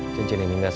aku tak mau menangis